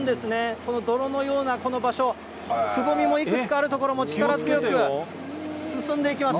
この泥のようなこの場所、くぼみもいくつかある所も力強く進んでいきます。